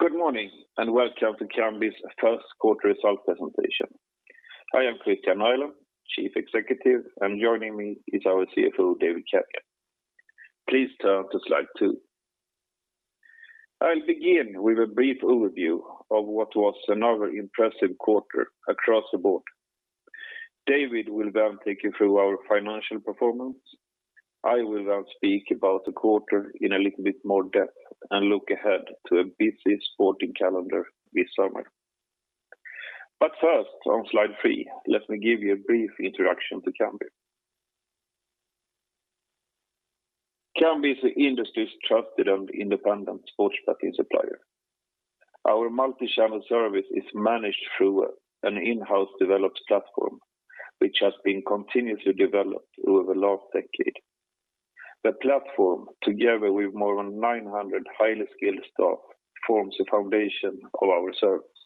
Good morning, welcome to Kambi's First Quarter Results Presentation. I am Kristian Nylén, Chief Executive, and joining me is our Chief Financial Officer, David Kenyon. Please turn to slide two. I'll begin with a brief overview of what was another impressive quarter across the board. David will take you through our financial performance. I will speak about the quarter in a little bit more depth and look ahead to a busy sporting calendar this summer. First, on slide three, let me give you a brief introduction to Kambi. Kambi is the industry's trusted and independent sports betting supplier. Our multi-channel service is managed through an in-house developed platform, which has been continuously developed over the last decade. The platform, together with more than 900 highly skilled staff, forms the foundation of our service.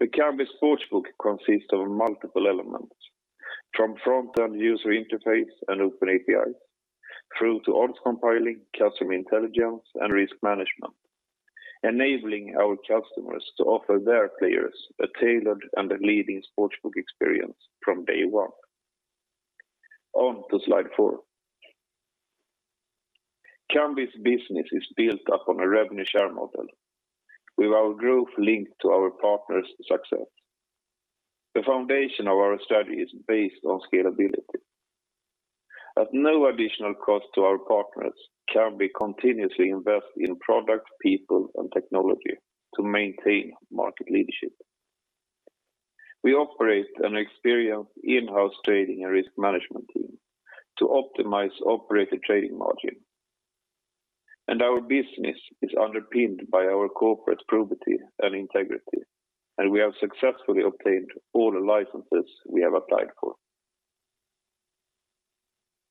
The Kambi Sportsbook consists of multiple elements, from front-end user interface and open APIs, through to odds compiling, customer intelligence, and risk management, enabling our customers to offer their players a tailored and leading sportsbook experience from day one. On to slide four. Kambi's business is built upon a revenue share model, with our growth linked to our partners' success. The foundation of our strategy is based on scalability. At no additional cost to our partners, Kambi continuously invest in product, people, and technology to maintain market leadership. We operate an experienced in-house trading and risk management team to optimize operator trading margin. Our business is underpinned by our corporate probity and integrity, and we have successfully obtained all the licenses we have applied for.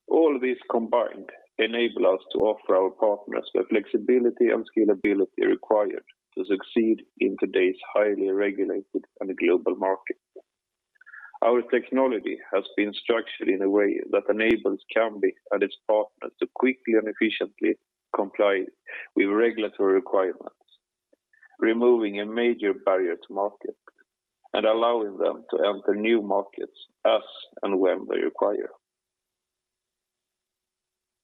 All these combined enable us to offer our partners the flexibility and scalability required to succeed in today's highly regulated and global market. Our technology has been structured in a way that enables Kambi and its partners to quickly and efficiently comply with regulatory requirements, removing a major barrier to market and allowing them to enter new markets as and when they require.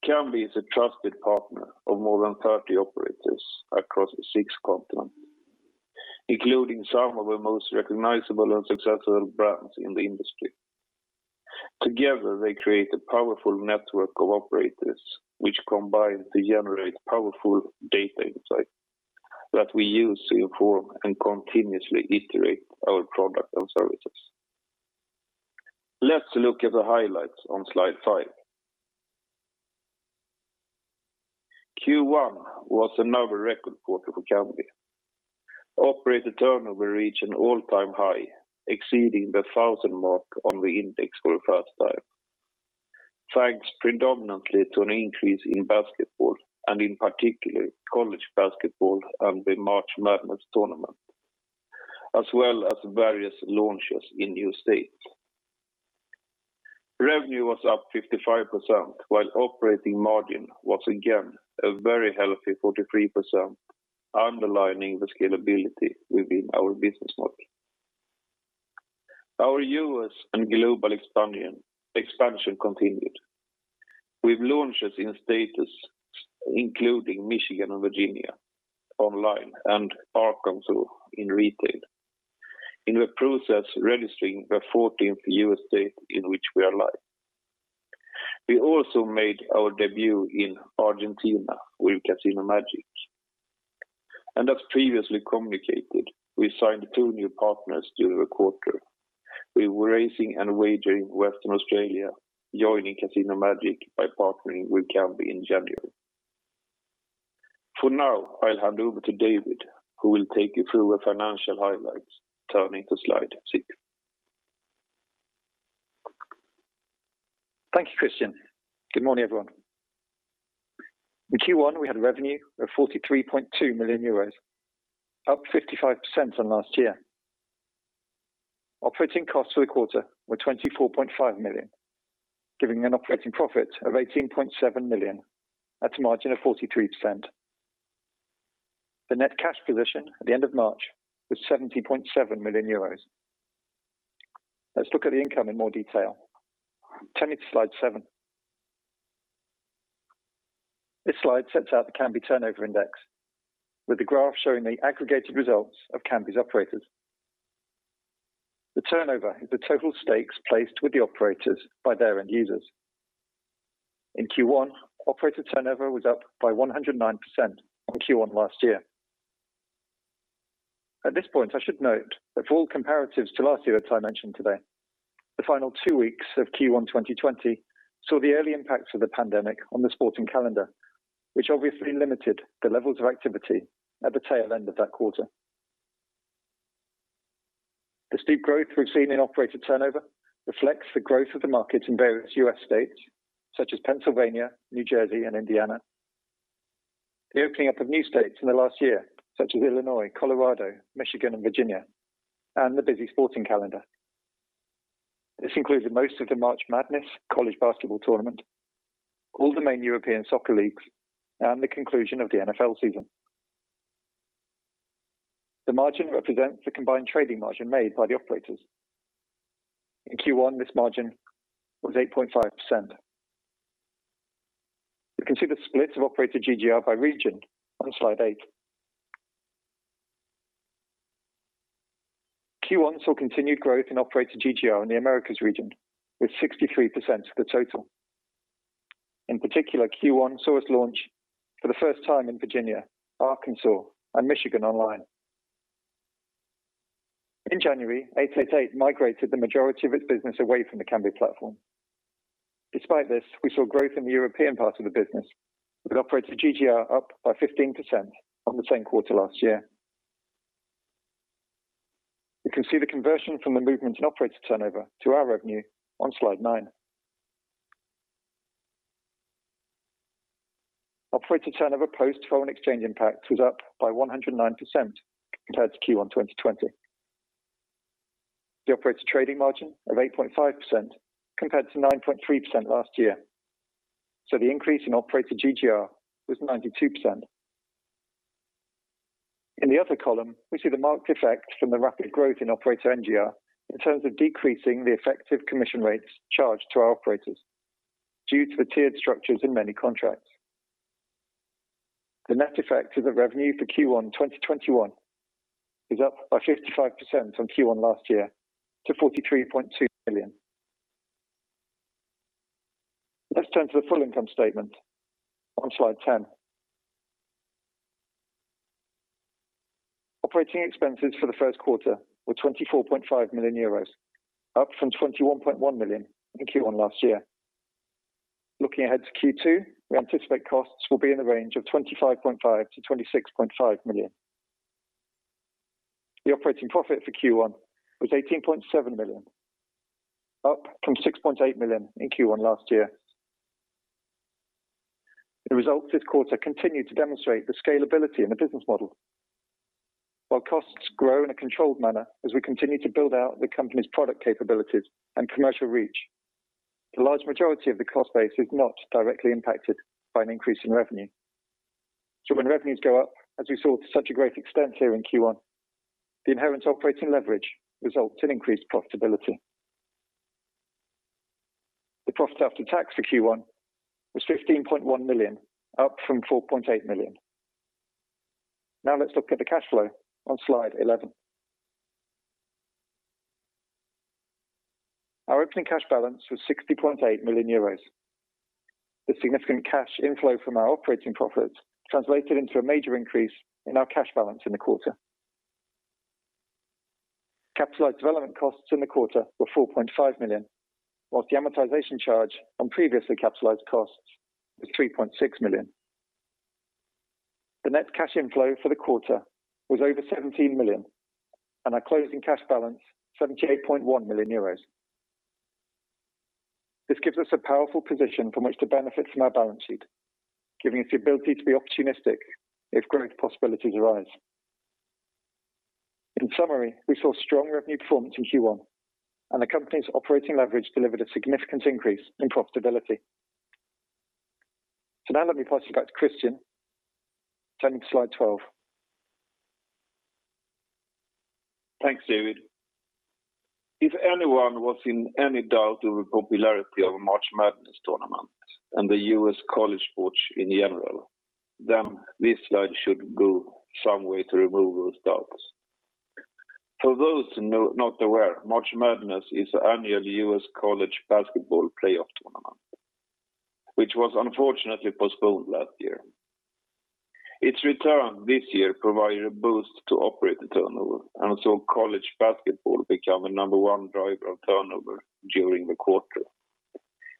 Kambi is a trusted partner of more than 30 operators across the six continents, including some of the most recognizable and successful brands in the industry. Together, they create a powerful network of operators, which combine to generate powerful data insight that we use to inform and continuously iterate our product and services. Let's look at the highlights on slide five. Q1 was another record quarter for Kambi. Operator turnover reached an all-time high, exceeding the thousand mark on the index for the first time, thanks predominantly to an increase in basketball and in particular college basketball and the March Madness tournament, as well as various launches in new states. Revenue was up 55%, while operating margin was again a very healthy 43%, underlining the scalability within our business model. Our U.S. and global expansion continued, with launches in states including Michigan and Virginia online and Arkansas in retail. In the process, registering the 14th U.S. state in which we are live. We also made our debut in Argentina with Casino Magic. As previously communicated, we signed two new partners during the quarter, with Racing and Wagering Western Australia joining Casino Magic by partnering with Kambi in January. For now, I'll hand over to David, who will take you through the financial highlights, turning to slide six. Thank you, Kristian. Good morning, everyone. In Q1, we had revenue of 43.2 million euros, up 55% on last year. Operating costs for the quarter were EUR 24.5 million, giving an operating profit of EUR 18.7 million at a margin of 43%. The net cash position at the end of March was EUR 70.7 million. Let's look at the income in more detail. Turning to slide seven. This slide sets out the Kambi turnover index, with the graph showing the aggregated results of Kambi's operators. The turnover is the total stakes placed with the operators by their end users. In Q1, operator turnover was up by 109% on Q1 last year. At this point, I should note that for all comparatives to last year that I mention today, the final two weeks of Q1 2020 saw the early impacts of the pandemic on the sporting calendar, which obviously limited the levels of activity at the tail end of that quarter. The steep growth we've seen in operator turnover reflects the growth of the markets in various U.S. states, such as Pennsylvania, New Jersey, and Indiana, the opening up of new states in the last year, such as Illinois, Colorado, Michigan, and Virginia, and the busy sporting calendar. This included most of the March Madness college basketball tournament, all the main European soccer leagues, and the conclusion of the NFL season. The margin represents the combined trading margin made by the operators. In Q1, this margin was 8.5%. You can see the splits of operator GGR by region on slide eight. Q1 saw continued growth in operator GGR in the Americas region, with 63% of the total. In particular, Q1 saw us launch for the first time in Virginia, Arkansas, and Michigan online. In January, 888 migrated the majority of its business away from the Kambi platform. Despite this, we saw growth in the European part of the business, with operator GGR up by 15% on the same quarter last year. You can see the conversion from the movement in operator turnover to our revenue on slide nine. Operator turnover post-foreign exchange impact was up by 109% compared to Q1 2020. The operator trading margin of 8.5% compared to 9.3% last year. The increase in operator GGR was 92%. In the other column, we see the marked effect from the rapid growth in operator NGR in terms of decreasing the effective commission rates charged to our operators due to the tiered structures in many contracts. The net effect is that revenue for Q1 2021 is up by 55% from Q1 last year to EUR 43.2 million. Let's turn to the full income statement on slide 10. Operating expenses for the first quarter were EUR 24.5 million, up from EUR 21.1 million in Q1 last year. Looking ahead to Q2, we anticipate costs will be in the range of 25.5 million-26.5 million. The operating profit for Q1 was 18.7 million, up from 6.8 million in Q1 last year. The results this quarter continue to demonstrate the scalability in the business model. While costs grow in a controlled manner as we continue to build out the company's product capabilities and commercial reach, the large majority of the cost base is not directly impacted by an increase in revenue. When revenues go up, as we saw to such a great extent here in Q1, the inherent operating leverage results in increased profitability. The profit after tax for Q1 was 15.1 million, up from 4.8 million. Let's look at the cash flow on slide 11. Our opening cash balance was 60.8 million euros. The significant cash inflow from our operating profit translated into a major increase in our cash balance in the quarter. Capitalized development costs in the quarter were EUR 4.5 million, whilst the amortization charge on previously capitalized costs was EUR 3.6 million. The net cash inflow for the quarter was over EUR 17 million, and our closing cash balance, EUR 78.1 million. This gives us a powerful position from which to benefit from our balance sheet, giving us the ability to be opportunistic if growth possibilities arise. In summary, we saw strong revenue performance in Q1, and the company's operating leverage delivered a significant increase in profitability. Now let me pass you back to Kristian. Turning to slide 12. Thanks, David. If anyone was in any doubt over the popularity of March Madness tournament and the U.S. college sports in general, this slide should go some way to remove those doubts. For those not aware, March Madness is an annual U.S. college basketball playoff tournament, which was unfortunately postponed last year. Its return this year provided a boost to operator turnover, and saw college basketball become the number one driver of turnover during the quarter.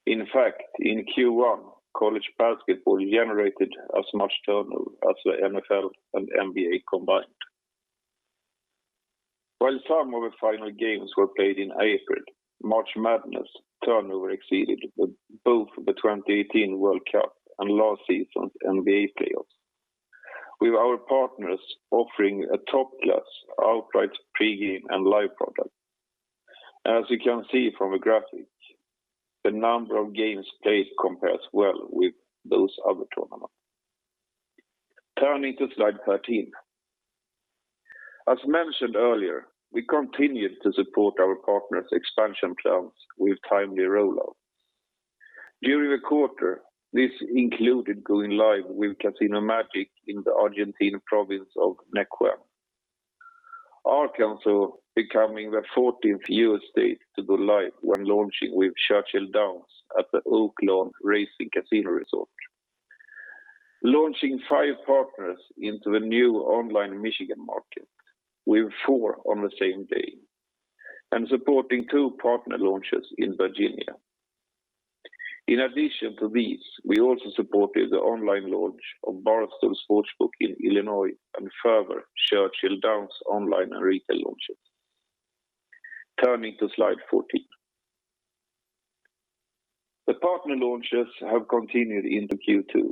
In fact, in Q1, college basketball generated as much turnover as the NFL and NBA combined. While some of the final games were played in April, March Madness turnover exceeded both the 2018 World Cup and last season's NBA playoffs, with our partners offering a top-class outright pre-game and live product. As you can see from the graphic, the number of games played compares well with those other tournaments. Turning to slide 13. As mentioned earlier, we continued to support our partners' expansion plans with timely rollouts. During the quarter, this included going live with Casino Magic in the Argentine province of Neuquén, Arkansas becoming the 14th U.S. state to go live when launching with Churchill Downs at the Oaklawn Racing Casino Resort, launching five partners into the new online Michigan market, with four on the same day, and supporting two partner launches in Virginia. In addition to these, we also supported the online launch of Barstool Sportsbook in Illinois and further Churchill Downs online and retail launches. Turning to slide 14. The partner launches have continued into Q2.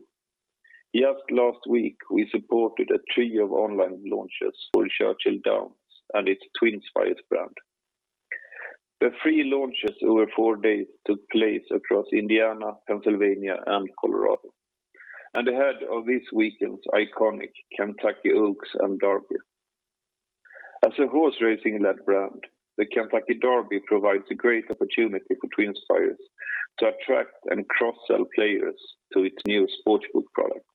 Just last week, we supported a trio of online launches for Churchill Downs and its TwinSpires brand. The three launches over four days took place across Indiana, Pennsylvania, and Colorado, and ahead of this weekend's iconic Kentucky Oaks and Derby. As a horse racing-led brand, the Kentucky Derby provides a great opportunity for TwinSpires to attract and cross-sell players to its new sportsbook product.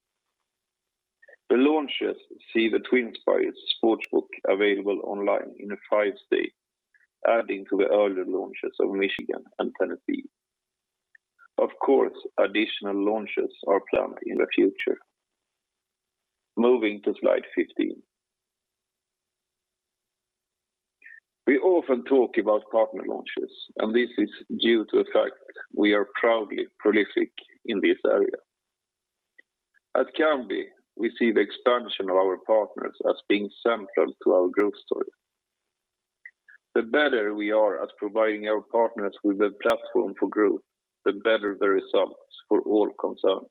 The launches see the TwinSpires sportsbook available online in five states, adding to the earlier launches of Michigan and Tennessee. Of course, additional launches are planned in the future. Moving to slide 15. We often talk about partner launches, and this is due to the fact we are proudly prolific in this area. At Kambi, we see the expansion of our partners as being central to our growth story. The better we are at providing our partners with a platform for growth, the better the results for all concerned.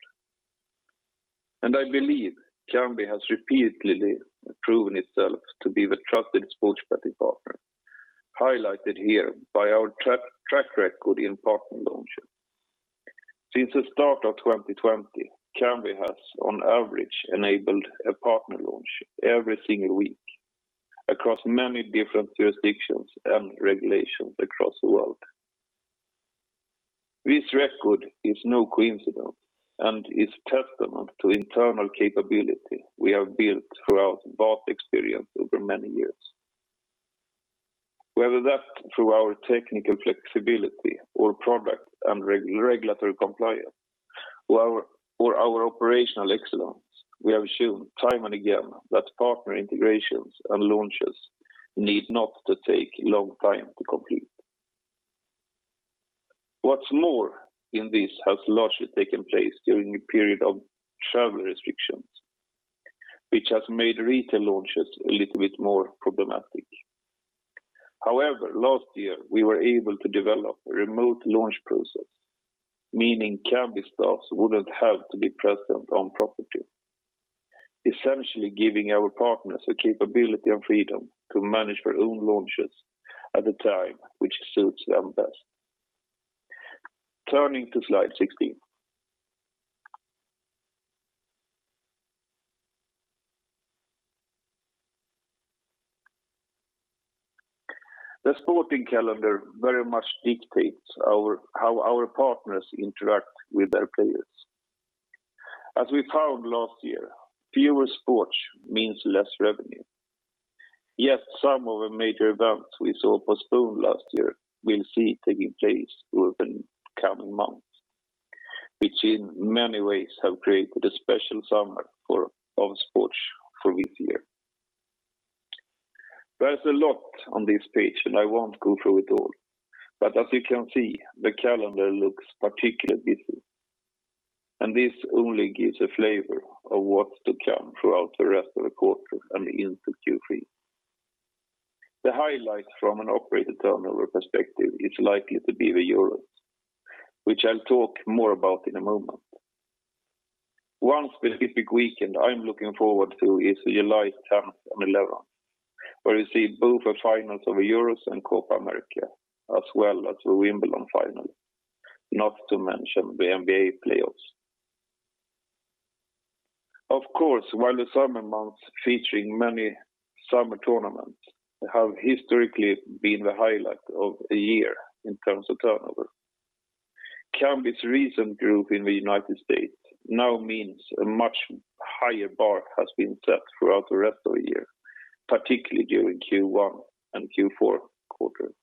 I believe Kambi has repeatedly proven itself to be the trusted sports betting partner, highlighted here by our track record in partner launches. Since the start of 2020, Kambi has, on average, enabled a partner launch every single week across many different jurisdictions and regulations across the world. This record is no coincidence and is testament to internal capability we have built throughout vast experience over many years. Whether that's through our technical flexibility or product and regulatory compliance, or our operational excellence, we have shown time and again that partner integrations and launches need not to take a long time to complete. What's more in this has largely taken place during a period of travel restrictions, which has made retail launches a little bit more problematic. However, last year, we were able to develop a remote launch process, meaning Kambi staff wouldn't have to be present on property, essentially giving our partners the capability and freedom to manage their own launches at the time which suits them best. Turning to slide 16. The sporting calendar very much dictates how our partners interact with their players. As we found last year, fewer sports means less revenue. Some of the major events we saw postponed last year we'll see taking place over the coming months, which in many ways have created a special summer of sports for this year. There is a lot on this page, and I won't go through it all, but as you can see, the calendar looks particularly busy, and this only gives a flavor of what's to come throughout the rest of the quarter and into Q3. The highlight from an operator turnover perspective is likely to be the Euros, which I'll talk more about in a moment. One specific weekend I'm looking forward to is July 10th and 11th, where you see both the finals of the Euros and Copa América, as well as the Wimbledon final, not to mention the NBA playoffs. Of course, while the summer months featuring many summer tournaments have historically been the highlight of a year in terms of turnover, Kambi's recent growth in the United States now means a much higher bar has been set throughout the rest of the year, particularly during Q1 and Q4 quarters.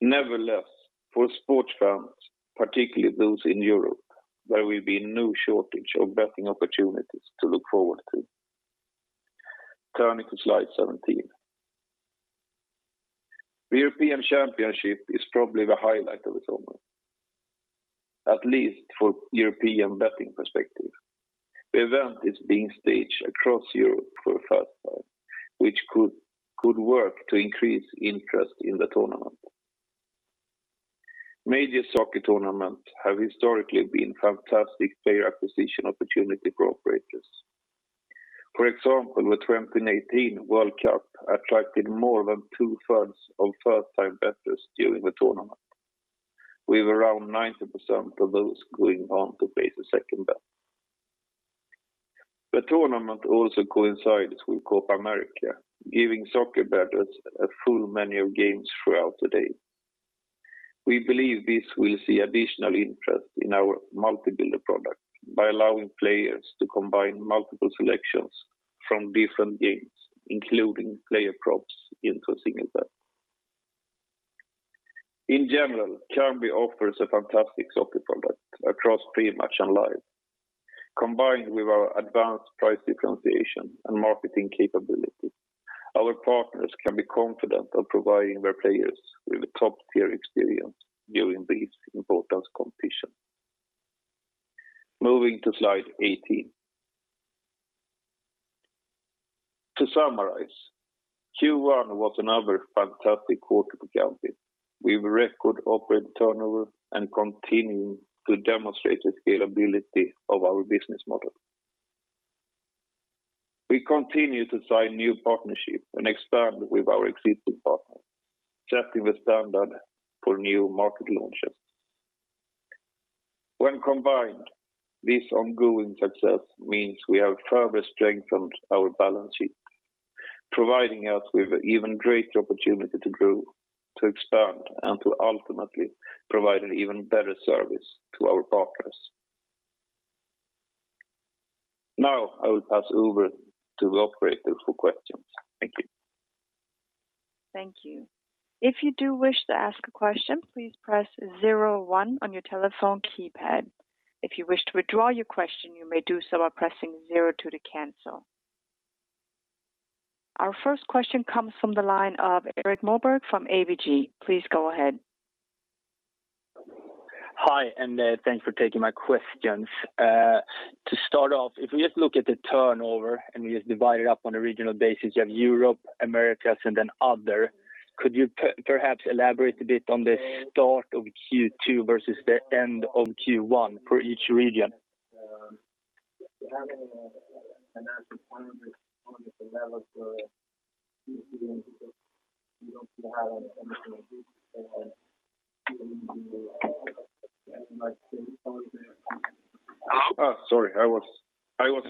Nevertheless, for sports fans, particularly those in Europe, there will be no shortage of betting opportunities to look forward to. Turning to slide 17. The European Championship is probably the highlight of the summer, at least for European betting perspective. The event is being staged across Europe for the first time, which could work to increase interest in the tournament. Major soccer tournaments have historically been fantastic player acquisition opportunity for operators. For example, the 2018 World Cup attracted more than two-thirds of first-time bettors during the tournament, with around 90% of those going on to place a second bet. The tournament also coincides with Copa América, giving soccer bettors a full menu of games throughout the day. We believe this will see additional interest in our Bet Builder product by allowing players to combine multiple selections from different games, including player props into a single bet. In general, Kambi offers a fantastic soccer product across pre-match and live. Combined with our advanced price differentiation and marketing capability, our partners can be confident of providing their players with a top-tier experience during these important competitions. Moving to slide 18. To summarize, Q1 was another fantastic quarter for Kambi. We have a record operator turnover and continuing to demonstrate the scalability of our business model. We continue to sign new partnerships and expand with our existing partners, setting the standard for new market launches. When combined, this ongoing success means we have further strengthened our balance sheet, providing us with even greater opportunity to grow, to expand, and to ultimately provide an even better service to our partners. Now, I will pass over to the operator for questions. Thank you. Thank you. If you do wish to ask a question, please press zero one on your telephone keypad. If you wish to withdraw your question, you may do so by pressing zero two to cancel. Our first question comes from the line of Erik Moberg from ABG. Please go ahead. Hi, thanks for taking my questions. To start off, if we just look at the turnover and we just divide it up on a regional basis, you have Europe, Americas, and then other. Could you perhaps elaborate a bit on the start of Q2 versus the end of Q1 for each region? Sorry, I was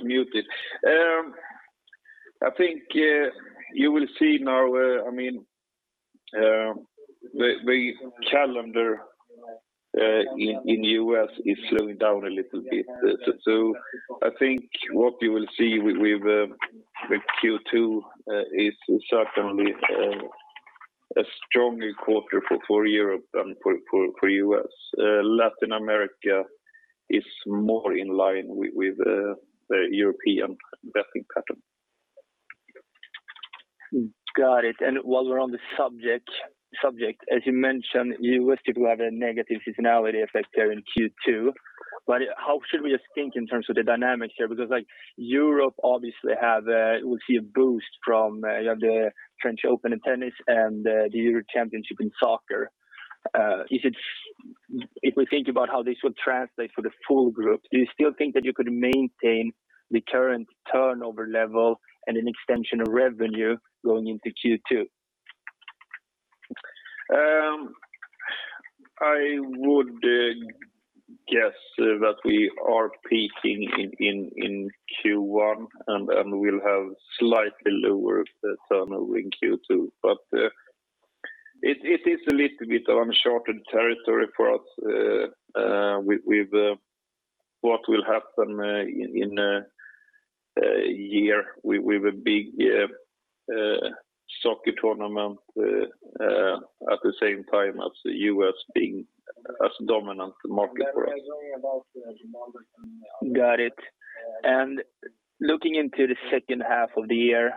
muted. I think you will see now the calendar in U.S. is slowing down a little bit. I think what you will see with Q2 is certainly a stronger quarter for Europe than for U.S. Latin America is more in line with the European betting pattern. Got it. While we're on the subject, as you mentioned, U.S. did have a negative seasonality effect there in Q2. How should we think in terms of the dynamics here? Because Europe obviously will see a boost from the French Open in tennis and the European Championship in soccer. If we think about how this would translate for the full group, do you still think that you could maintain the current turnover level and an extension of revenue going into Q2? I would guess that we are peaking in Q1, and we'll have slightly lower turnover in Q2. It is a little bit uncharted territory for us with what will happen in a year with a big soccer tournament at the same time as the U.S. being as dominant market for us. Got it. Looking into the second half of the year,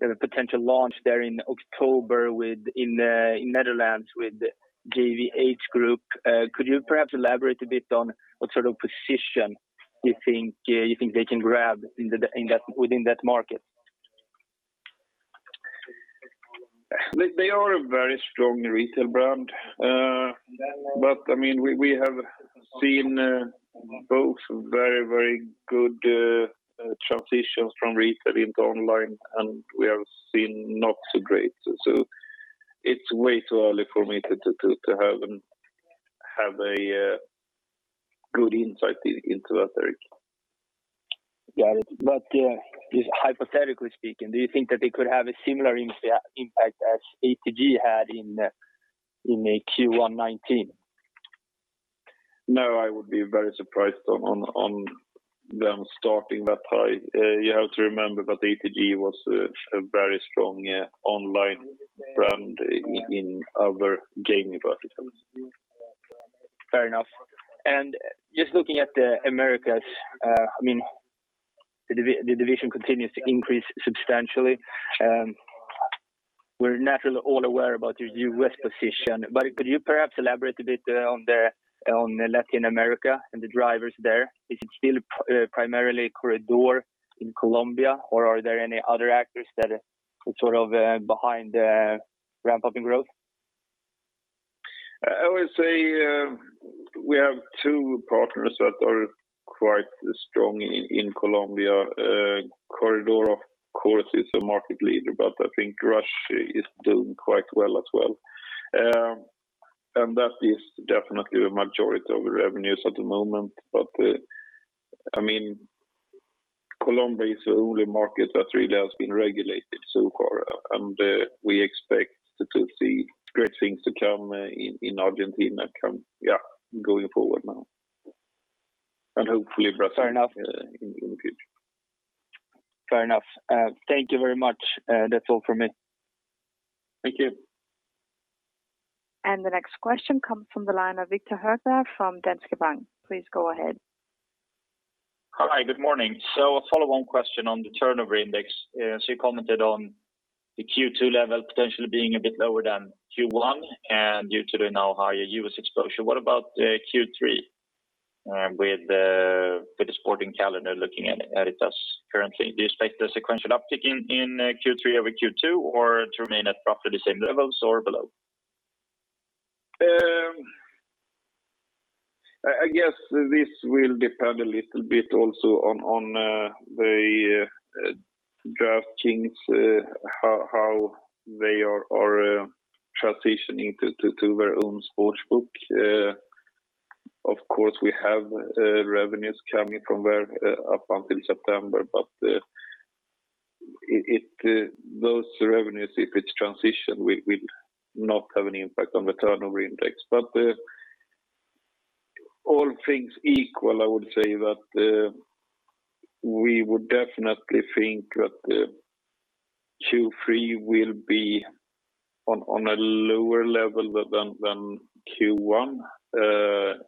the potential launch there in October in Netherlands with JVH group. Could you perhaps elaborate a bit on what sort of position you think they can grab within that market? They are a very strong retail brand. We have seen both very good transitions from retail into online, and we have seen not so great. It's way too early for me to have a good insight into that area. Got it. Just hypothetically speaking, do you think that they could have a similar impact as ATG had in Q1 2019? No, I would be very surprised on them starting that high. You have to remember that ATG was a very strong online brand in other gaming verticals. Fair enough. Just looking at the Americas, the division continues to increase substantially. We're naturally all aware about your U.S. position. Could you perhaps elaborate a bit on Latin America and the drivers there? Is it still primarily Corredor in Colombia, or are there any other actors that are behind the ramp-up in growth? I would say we have two partners that are quite strong in Colombia. Corredor, of course, is a market leader, but I think Rush is doing quite well as well. That is definitely the majority of the revenues at the moment. Colombia is the only market that really has been regulated so far, and we expect to see great things to come in Argentina going forward now, and hopefully Brazil. Fair enough. in the future. Fair enough. Thank you very much. That's all from me. Thank you. The next question comes from the line of Viktor Högberg from Danske Bank. Please go ahead. Hi, good morning. A follow-on question on the turnover index. You commented on the Q2 level potentially being a bit lower than Q1 and due to the now higher U.S. exposure. What about Q3? With the sporting calendar looking at it as currently, do you expect a sequential uptick in Q3 over Q2, or to remain at roughly the same levels or below? I guess this will depend a little bit also on the DraftKings, how they are transitioning to their own sportsbook. Of course, we have revenues coming from there up until September, those revenues, if it's transitioned, will not have any impact on the turnover index. All things equal, I would say that we would definitely think that Q3 will be on a lower level than Q1. It's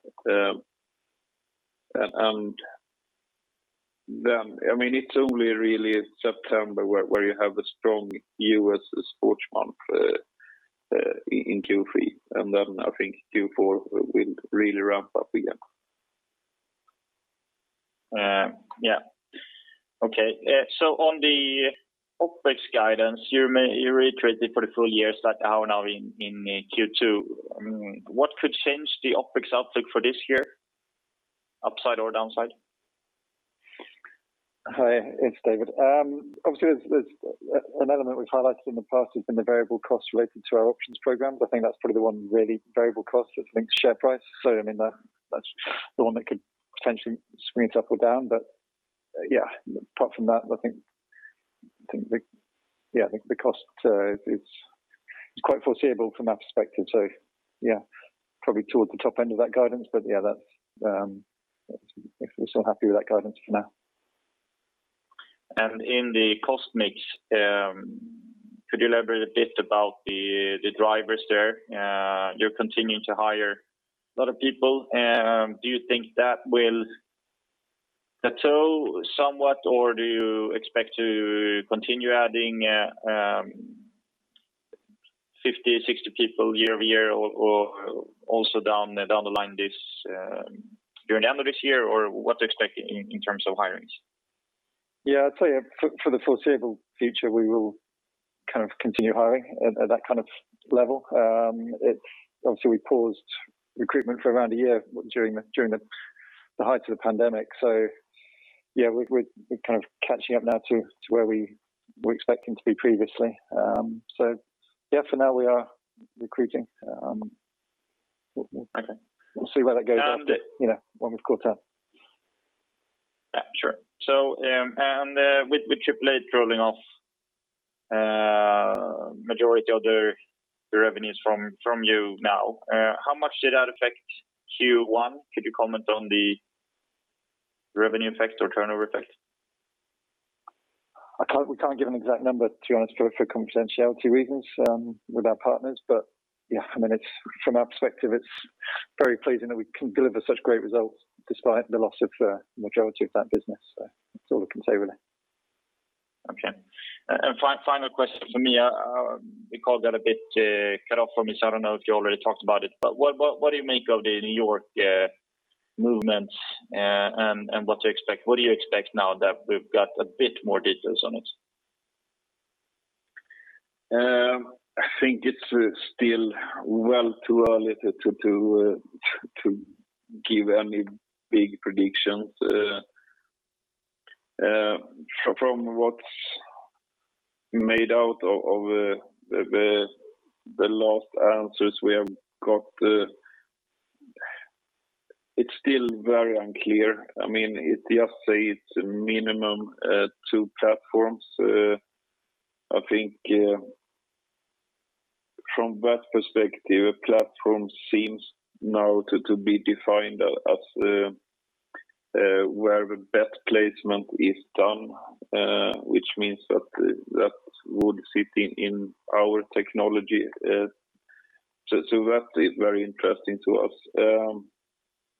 only really September where you have a strong U.S. sports month in Q3, I think Q4 will really ramp up again. Yeah. Okay. On the OpEx guidance, you reiterated for the full year, start out now in Q2. What could change the OpEx outlook for this year? Upside or downside? Hi, it's David. Obviously, there's an element we've highlighted in the past has been the variable cost related to our options program, but I think that's probably the one really variable cost is, I think, share price. That's the one that could potentially swing it up or down. Yeah, apart from that, I think the cost is quite foreseeable from that perspective. Yeah, probably towards the top end of that guidance. Yeah, we're still happy with that guidance for now. In the cost mix, could you elaborate a bit about the drivers there? You're continuing to hire a lot of people. Do you think that will plateau somewhat, or do you expect to continue adding 50, 60 people year-over-year, or also down the line during the end of this year, or what to expect in terms of hirings? Yeah, I'd say for the foreseeable future, we will continue hiring at that kind of level. Obviously, we paused recruitment for around a year during the height of the pandemic. Yeah, we're kind of catching up now to where we were expecting to be previously. Yeah, for now we are recruiting. Okay. We'll see where that goes after the fourth quarter. Yeah, sure. With 888 rolling off majority of their revenues from you now, how much did that affect Q1? Could you comment on the revenue effect or operator turnover effect? We can't give an exact number, to be honest, for confidentiality reasons with our partners. Yeah, from our perspective, it's very pleasing that we can deliver such great results despite the loss of the majority of that business. That's all I can say, really. Okay. Final question from me. We got a bit cut off for me, so I don't know if you already talked about it, but what do you make of the New York movements and what do you expect now that we've got a bit more details on it? I think it's still well too early to give any big predictions. From what's made out of the last answers we have got, it's still very unclear. It just says it's a minimum two platforms. I think from that perspective, a platform seems now to be defined as where the bet placement is done which means that would sit in our technology. That is very interesting to us.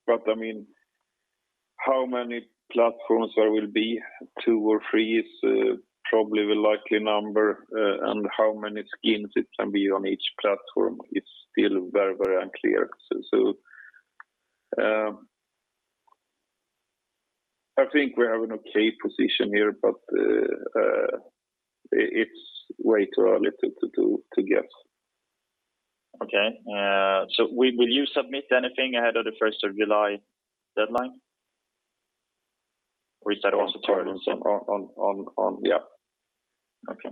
How many platforms there will be, two or three is probably the likely number, and how many skins it can be on each platform is still very unclear. I think we have an okay position here, but it's way too early to guess. Okay. Will you submit anything ahead of the 1st of July deadline? Is that also? On, yeah. Okay.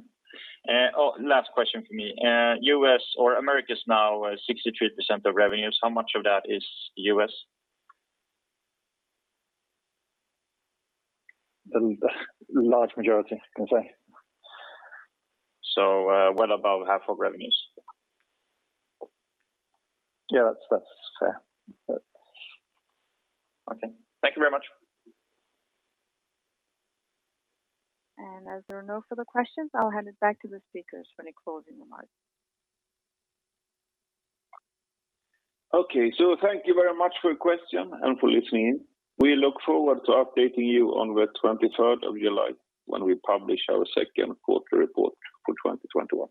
Last question from me. U.S. or Americas now is 63% of revenues. How much of that is U.S.? The large majority, I can say. Well above half of revenues? Yeah, that's fair. Okay. Thank you very much. As there are no further questions, I'll hand it back to the speakers for any closing remarks. Thank you very much for your question and for listening in. We look forward to updating you on the 23rd of July when we publish our second quarter report for 2021.